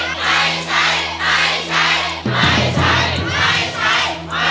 ไม่ใช่